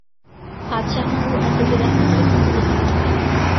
پادىشاھنىڭ ئۇ ئەسىرگە رەھمى كېلىپ خۇنىدىن ئۆتتى.